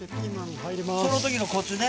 その時のコツね。